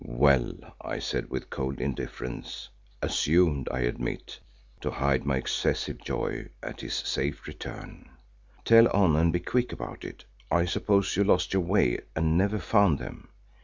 "Well," I said with cold indifference, assumed I admit to hide my excessive joy at his safe return, "tell on, and be quick about it. I suppose you lost your way and never found them."